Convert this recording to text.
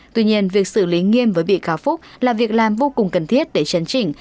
tuy nhiên việc xử lý nghiêm với bị cáo phúc là việc làm vô cùng cần thiết để chấn chỉnh